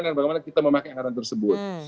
bagaimana kita memakai anggaran tersebut